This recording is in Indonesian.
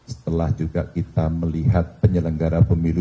setelah juga kita melihat penyelenggara pemilu